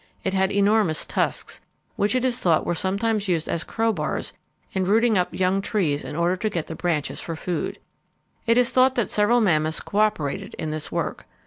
It had enormous tusks, which it is thought were sometimes used as crowbars in rooting up young trees in order to get the branches for food. It is thought that several mammoths coöperated in this work.